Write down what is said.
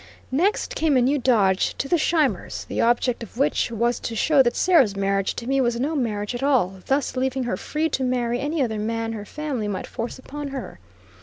Next came a new dodge of the Scheimers, the object of which was to show that Sarah's marriage to me was no marriage at all, thus leaving her free to marry any other man her family might force upon her.